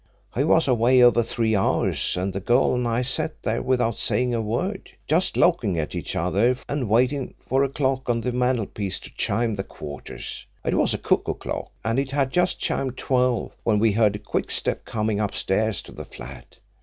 He was away over three hours and the girl and I sat there without saying a word, just looking at each other and waiting for a clock on the mantelpiece to chime the quarters. It was a cuckoo clock, and it had just chimed twelve when we heard a quick step coming upstairs to the flat.